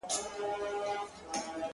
دنیا د غم په ورځ پیدا ده-